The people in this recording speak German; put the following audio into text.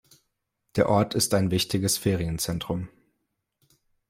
Der Ort ist ein wichtiges Ferienzentrum.